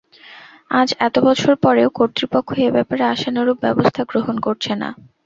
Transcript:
আজ এত বছর পরেও কর্তৃপক্ষ এ ব্যাপারে আশানুরূপ ব্যবস্থা গ্রহণ করছে না।